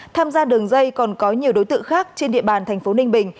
tham gia đường dây còn có nhiều đối tượng khác trên địa bàn thành phố ninh bình